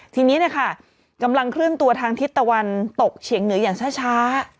ทีนี้กำลังเคลื่อนตัวทางทิศตะวันตกเฉียงเหนืออย่างช้า